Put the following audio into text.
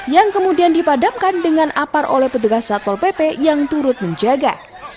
yang kemudian dipadamkan dengan apar oleh petugas satpol pp yang turut menjaga